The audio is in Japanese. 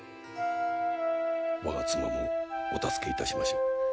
我が妻もお助けいたしましょう。